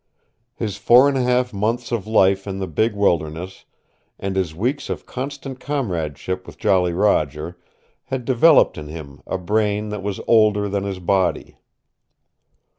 His four and a half months of life in the big wilderness, and his weeks of constant comradeship with Jolly Roger, had developed in him a brain that was older than his body.